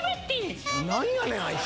なんやねん、あいつ。